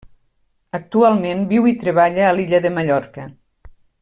Actualment viu i treballa a l'illa de Mallorca.